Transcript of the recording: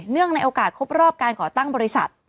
ในโอกาสครบรอบการก่อตั้งบริษัท